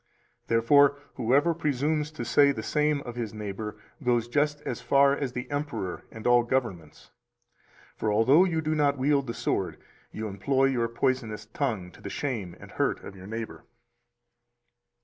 Therefore, whoever presumes to say the same of his neighbor goes just as far as the emperor and all governments. For although you do not wield the sword, you employ your poisonous tongue to the shame and hurt of your neighbor.